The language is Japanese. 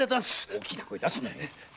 大きな声出すな。